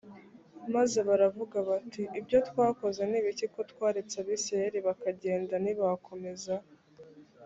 maze baravuga bati ibyo twakoze ni ibiki ko twaretse abisirayeli bakagenda ntibakomeze